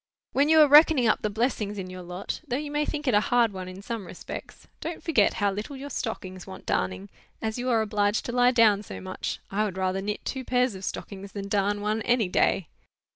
when you are reckoning up the blessings in your lot,—though you may think it a hard one in some respects,—don't forget how little your stockings want darning, as you are obliged to lie down so much! I would rather knit two pairs of stockings than darn one, any day."